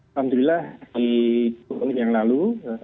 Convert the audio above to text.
alhamdulillah di bulan yang lalu